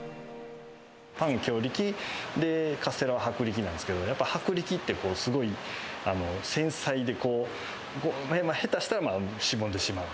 パン、強力、カステラは薄力なんですけど、やっぱ薄力ってすごい繊細で、下手したらしぼんでしまう。